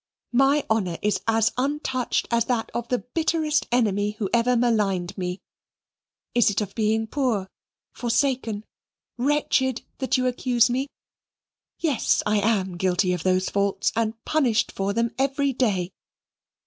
My honour is as untouched as that of the bitterest enemy who ever maligned me. Is it of being poor, forsaken, wretched, that you accuse me? Yes, I am guilty of those faults, and punished for them every day.